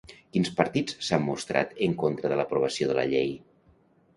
Quins partits s'han mostrat en contra de l'aprovació de la llei?